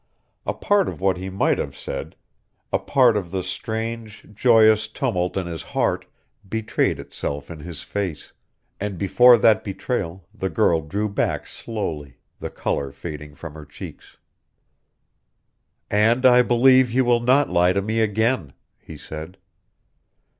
A part of what he might have said a part of the strange, joyous tumult in his heart betrayed itself in his face, and before that betrayal the girl drew back slowly, the color fading from her cheeks. "And I believe you will not lie to me again," he said.